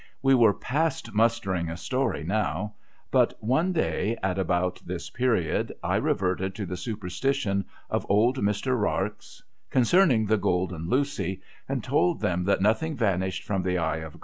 \ye were past mustering a story now ; but one day, at about this period, I reverted to the superstition of old Mr, Rarx, concerning the Cx^lden Lucy, and told them that nothing vanished from the eye of C".